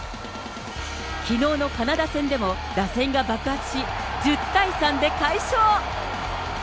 きのうのカナダ戦でも、打線が爆発し、１０対３で快勝。